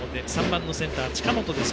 ３番のセンター、近本です。